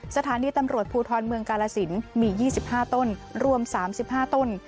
สถานีตำรวจภูทรเมืองกาลสินมี๒๕ต้นรวม๓๕ต้น